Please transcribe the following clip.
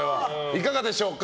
いかがでしょうか。